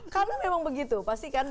kamu memang begitu pastikan